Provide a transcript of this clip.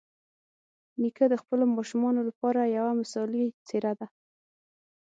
نیکه د خپلو ماشومانو لپاره یوه مثالي څېره ده.